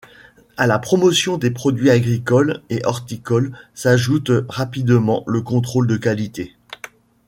À la promotion des produits agricoles et horticoles s'ajoute rapidement le contrôle de qualité.